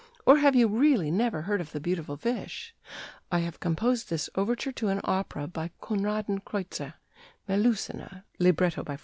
Or have you really never heard of the beautiful fish? I have composed this overture to an opera by Konradin Kreutzer ["Melusine," libretto by Fr.